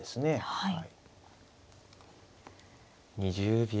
はい。